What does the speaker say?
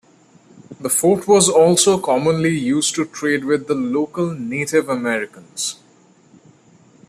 The fort was also commonly used to trade with the local Native Americans.